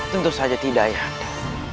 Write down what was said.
tentu saja tidak ayahanda